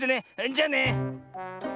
じゃあね。